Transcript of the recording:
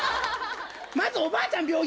まずおばあちゃん